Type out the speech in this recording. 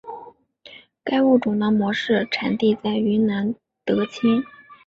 该物种的模式产地在云南德钦。